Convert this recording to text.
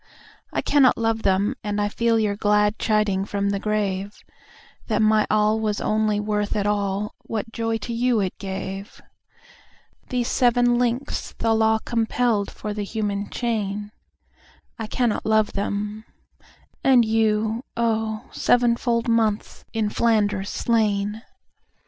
I cannot love them; and I feel your gladChiding from the grave, That my all was only worth at all, whatJoy to you it gave. These seven links the Law compelledFor the human chain—I cannot love them; and you, oh, Seven fold months in Flanders slain!